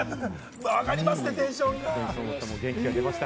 上がりますね、テンションが。